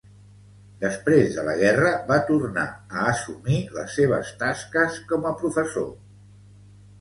Després de la guerra va tornar a assumir les seves tasques com a professor.